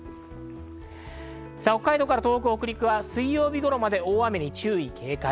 北海道から東北北陸は水曜日頃まで大雨に注意、警戒。